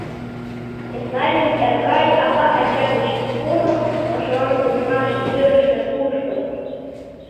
Эслай ден Эркай ава-ача деч поро пашалан тунемаш йӧрышӧ кушкыт.